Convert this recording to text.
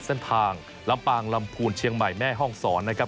เส้นทางลำปางลำพูนเชียงใหม่แม่ห้องสอนนะครับ